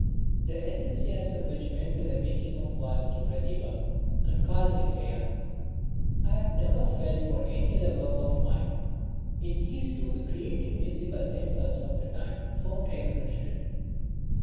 The enthusiasm which went to the making of Valmiki Pratibha and Kal Mrigaya I have never felt for any other work of mine. In these two the creative musical impulse of the time found expression.